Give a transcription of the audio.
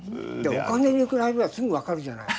お金に比べりゃすぐ分かるじゃない。